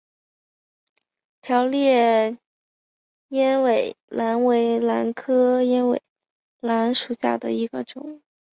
条裂鸢尾兰为兰科鸢尾兰属下的一个种。